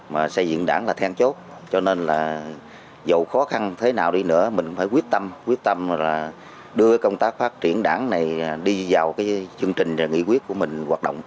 mà xây dựng đảng là then chốt cho nên là dù khó khăn thế nào đi nữa mình phải quyết tâm quyết tâm là đưa công tác phát triển đảng này đi vào cái chương trình nghị quyết của mình hoạt động